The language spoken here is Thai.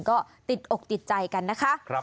ก็ติดอกติดใจกันนะคะ